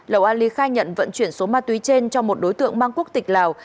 lầu ali khai nhận vận chuyển số ma túy trên cho một đối tượng mang quốc tịch lào